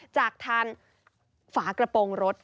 จากทางฝากระโปรงรถ